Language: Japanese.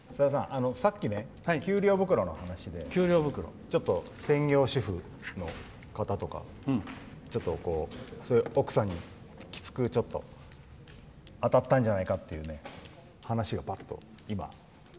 さっき、給料袋の話でちょっと専業主婦の方とか奥さんにきつくあたったんじゃないかっていう話が、ばっと今。